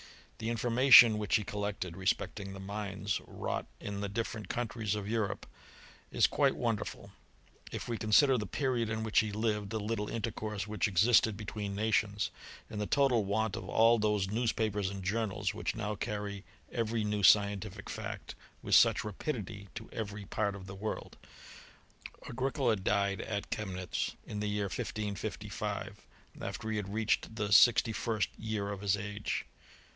The informaticm which he collected, respecting the mines wrought in the different countries of Europe, is quite wonderful, ■ if we consider the period in which he lived, the little intercourse which existed between nations, and th»i total want of all those newspapers and journals which ( now carry every new scientific fact with such rapidity f to every part of the world. j Agricola died at Chemnitz in the year 1555, after he*^ had reached the sixty first year of his age.